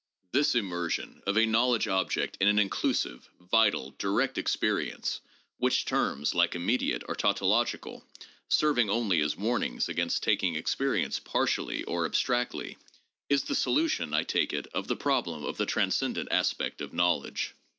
This immersion of a knowledge object in an inclusive, vital, direct experience (which terms, like 'immediate,' are tautological, serving only as warnings against taking experience partially or ab stractly) is the solution, I take it, of the problem of the transcendent aspect of knowledge.